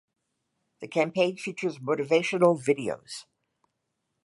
The campaign features motivational videos.